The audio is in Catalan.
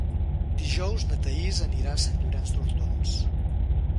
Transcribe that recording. Dijous na Thaís anirà a Sant Llorenç d'Hortons.